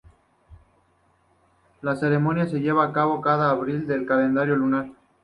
La ceremonia se lleva a cabo cada Abril del calendario lunar.